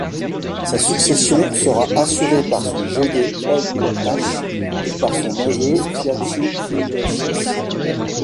Sa succession sera assurée par son Géde Ollgothach puis par son neveu Fíachu Findoilches.